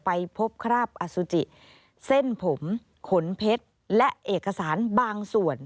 ไปพบคราบอสุจิเส้นผมขนเพชรและเอกสารบางส่วน